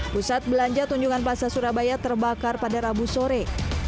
pusat belanja tunjungan plaza surabaya terbakar pada rabu sore